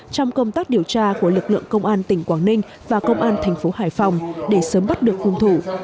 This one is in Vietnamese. trong công tác điều tra của lực lượng công an tỉnh quảng ninh và công an thành phố hải phòng để sớm bắt được hung thủ